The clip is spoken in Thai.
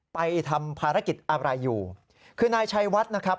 ไปทำภารกิจอะไรอยู่คือนายชัยวัดนะครับ